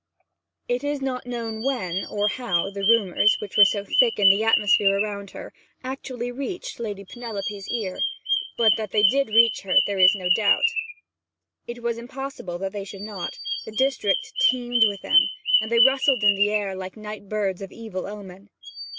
It is not known when, or how, the rumours, which were so thick in the atmosphere around her, actually reached the Lady Penelope's ears, but that they did reach her there is no doubt. It was impossible that they should not; the district teemed with them; they rustled in the air like night birds of evil omen.